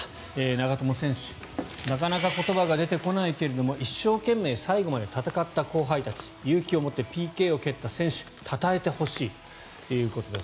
長友選手、なかなか言葉が出てこないけれども一生懸命最後まで戦った後輩たち勇気をもってＰＫを蹴った選手たたえてほしいということです。